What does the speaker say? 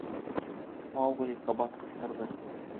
— Маугли ҡабат ҡысҡырҙы.